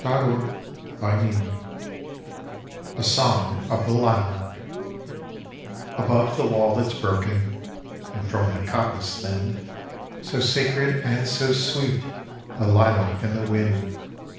A Song of the Lilac ABOVE the wall that 's broken, And from the coppice thinned, So sacred and so sweet The lilac in the wind!